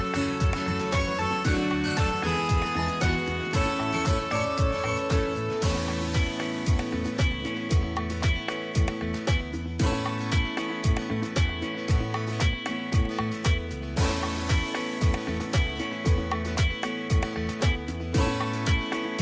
โปรดติดตามตอนต่อไป